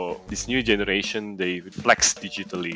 tapi untuk generasi baru ini mereka fleks digital